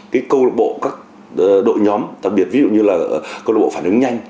cái câu lạc bộ các đội nhóm đặc biệt ví dụ như là câu lạc bộ phản ứng nhanh